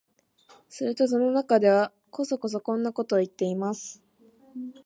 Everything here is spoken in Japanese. すると戸の中では、こそこそこんなことを言っています